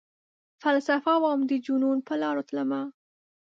فلسفه وم ،دجنون پرلاروتلمه